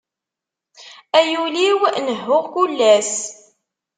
Ay ul-iw nehhuɣ kul ass.